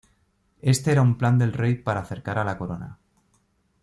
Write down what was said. Este era un plan del rey para acercar a la corona.